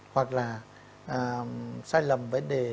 hoặc là sai lầm với định kỳ